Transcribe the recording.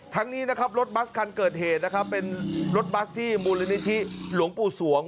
นี้นะครับรถบัสคันเกิดเหตุนะครับเป็นรถบัสที่มูลนิธิหลวงปู่สวง